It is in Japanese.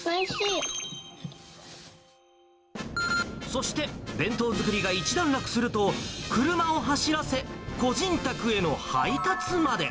そして、弁当作りが一段落すると、車を走らせ、個人宅への配達まで。